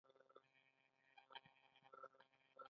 ایران له پاکستان سره د ګاز پایپ لاین غواړي.